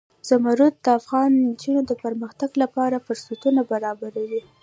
زمرد د افغان نجونو د پرمختګ لپاره فرصتونه برابروي.